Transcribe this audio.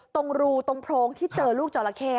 ตรงรูตรงโพรงที่เจอลูกจราเข้